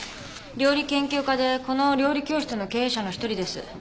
料理研究家でこの料理教室の経営者の一人です。